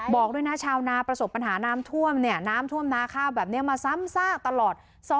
บอกด้วยนะชาวนาประสบปัญหาน้ำท่วมเนี่ยน้ำท่วมนาข้าวแบบนี้มาซ้ำซากตลอด